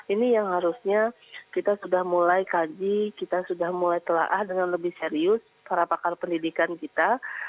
ini yang harusnya kita sudah mulai kaji kita sudah mulai telah dengan lebih serius para pakar pendidikan kita